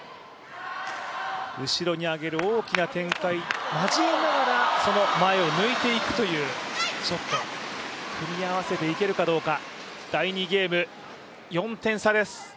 後ろに上げる大きな展開を交えながら、その前を抜いていくというショット組み合わせていけるかどうか。